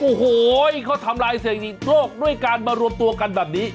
โอ้โหเค้าทำร้ายแสดงจริงโลกด้วยการมารวมตัวกันแบบนี้